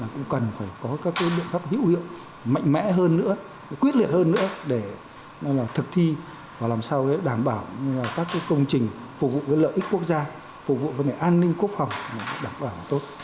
cũng cần phải có các cái liệu pháp hữu hiệu mạnh mẽ hơn nữa quyết liệt hơn nữa để thực thi và làm sao để đảm bảo các cái công trình phục vụ với lợi ích quốc gia phục vụ với mệnh an ninh quốc phòng đảm bảo tốt